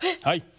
はい。